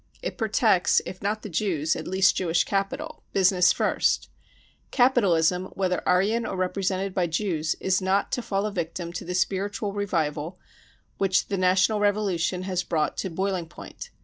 It protects, if not the Jews, at least Jewish capital. Business first ! Capitalism, whether 44 Aryan 33 or represented by Jews, is not to fall a victim to the spiritual revival which the 44 National Revolu tion 33 has brought to boiling point.